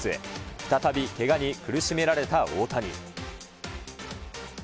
再びけがに苦しめられた大谷。